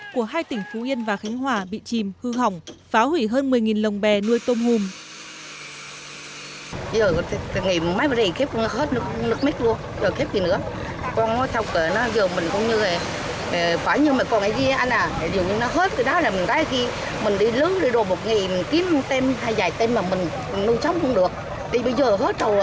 của hai tỉnh phú yên và khánh hòa bị chìm hư hỏng phá hủy hơn một mươi lồng bè nuôi tôm hùm